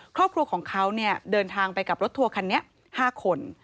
ครอบครัวของเขาเดินทางไปกับรถทัวร์คันนี้๕คน